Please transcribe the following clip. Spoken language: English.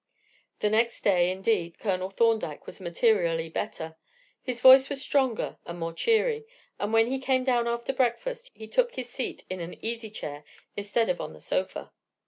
The next day, indeed, Colonel Thorndyke was materially better. His voice was stronger and more cheery, and when he came down after breakfast he took his seat in an easy chair instead of on the sofa.